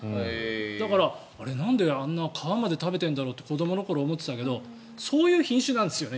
だから、あれはなんで皮まで食べてるんだろうって子どもの頃、思っていたけどそういう品種なんですよね